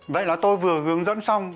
vậy là tôi vừa hướng dẫn xong